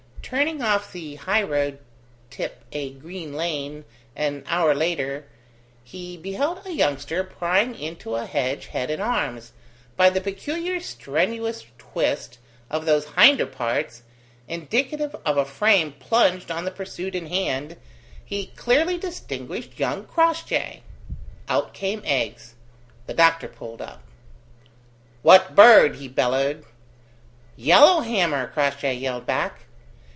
Turning off the high road tip a green lane, an hour later, he beheld a youngster prying into a hedge head and arms, by the peculiar strenuous twist of whose hinder parts, indicative of a frame plunged on the pursuit in hand, he clearly distinguished young Crossjay. Out came eggs. The doctor pulled up. "What bird?" he bellowed. "Yellowhammer," Crossjay yelled back.